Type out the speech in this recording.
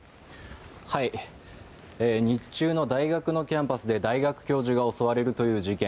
日中の大学のキャンパスで大学教授が襲われるという事件。